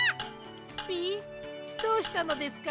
ピイ？どうしたのですか？